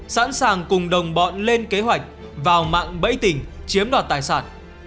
sẵn sàng cùng đồng bọn lên kế hoạch vào mạng bẫy tình chiếm đoạt tài sản